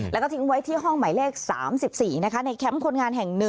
แล้วก็ทิ้งไว้ที่ห้องหมายเลข๓๔นะคะในแคมป์คนงานแห่ง๑